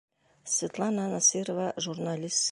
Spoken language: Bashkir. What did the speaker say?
Светлана НАСИРОВА, журналист: